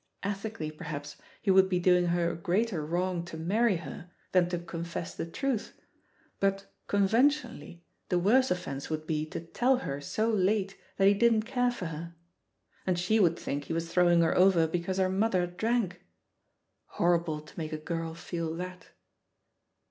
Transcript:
Ethically, perhaps, he would be doing her a greater wrong to marry her than to confess the truth; but conventionally, the worse offence would be to tell her so late that he didn't care for her. And she would think he was throw ing her over because her mother drank. Horrible to make a girl feel that!